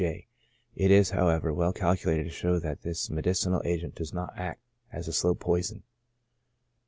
J —. It is, however, well calculated to show that this medicinal agent does not act as a slow poison.